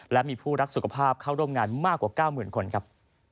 และมีผู้รักสุขภาพเข้าร่วมงานมากกว่า๙๐๐คนครับ